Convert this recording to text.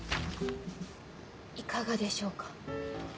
いかがでしょうか。